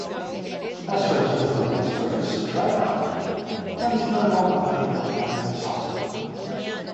AstroTurf remains a registered trademark, but is no longer owned by Monsanto.